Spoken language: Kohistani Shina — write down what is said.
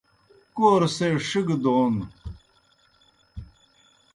کور سے ݜگہ دون